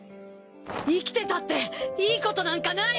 生きてたっていいことなんかない！